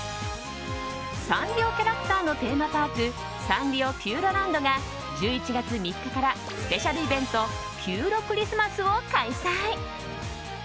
サンリオキャラクターのテーマパークサンリオピューロランドが１１月３日からスペシャルイベントピューロクリスマスを開催。